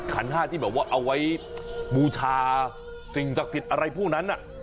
ขันห้าที่แบบว่าเอาไว้บูชาสิ่งศักดิ์สิทธิ์อะไรพวกนั้น